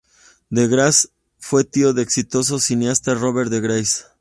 De Grasse fue tío del exitoso cineasta Robert De Grasse.